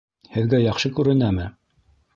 Һеҙгә яҡшы күренәме?